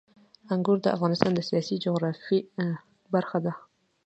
انګور د افغانستان د سیاسي جغرافیه برخه ده.